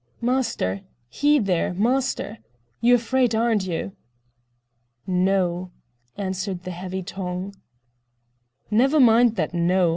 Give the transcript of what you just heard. "Master! Eh there, master! You're afraid, aren't you?" "No," answered the heavy tongue. "Never mind that 'No.